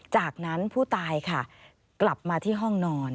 จากนั้นผู้ตายค่ะกลับมาที่ห้องนอน